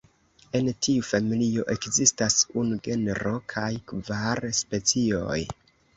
En tiu familio ekzistas unu genro kaj kvar specioj.